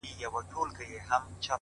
• څه مطلب لري سړی نه په پوهېږي,